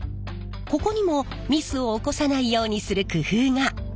ここにもミスを起こさないようにする工夫が！